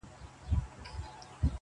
چي له تا مخ واړوي تا وویني~